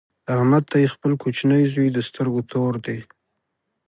احمد ته یې خپل کوچنۍ زوی د سترګو تور دی.